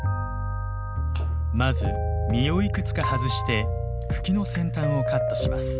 まず実をいくつか外して茎の先端をカットします。